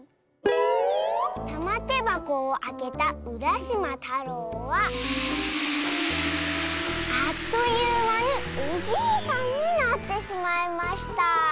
たまてばこをあけたうらしまたろうはあっというまにおじいさんになってしまいました。